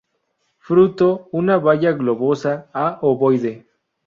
Fruto una baya globosa a ovoide.